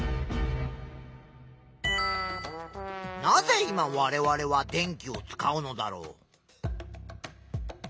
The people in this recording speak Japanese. なぜ今われわれは電気を使うのだろう？